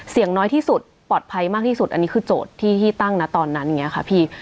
น้อยที่สุดปลอดภัยมากที่สุดอันนี้คือโจทย์ที่ตั้งนะตอนนั้นอย่างนี้ค่ะพี่